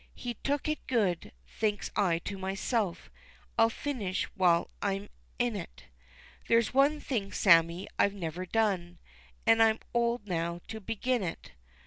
He took it good thinks I to myself I'll finish while I'm in it, "There's one thing, Sammie, I've never done, An' I'm old now to begin it.